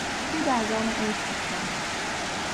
او در دام عشق افتاد.